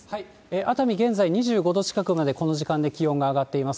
熱海、現在２５度近くまで、この時間で気温が上がっています。